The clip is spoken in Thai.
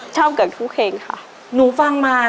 ชอบเกือบทุกเพลงค่ะ